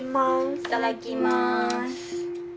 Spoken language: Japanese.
いただきます。